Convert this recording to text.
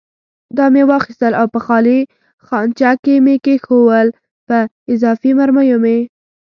دا مې واخیستل او په خالي خانچه کې مې کېښوول، په اضافي مرمیو مې.